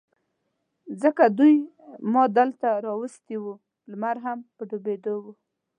ځکه دوی ما دلته را وستي و، لمر هم په ډوبېدو و.